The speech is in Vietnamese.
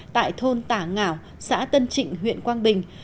tại thôn tả ngảo xã tân trịnh huyện quang bình